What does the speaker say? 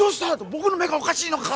僕の目がおかしいのか！？